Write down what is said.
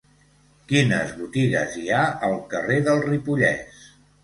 Quines botigues hi ha al carrer del Ripollès?